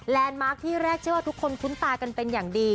มาร์คที่แรกเชื่อว่าทุกคนคุ้นตากันเป็นอย่างดี